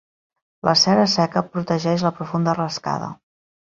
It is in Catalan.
La cera seca protegeix la profunda rascada.